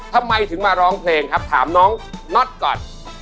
ทำไมถึงมาร้องเพลงครับถามน้องน็อตก่อน